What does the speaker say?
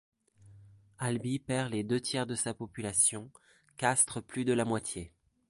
Albi perd les deux tiers de sa population, Castres plus de la moitié.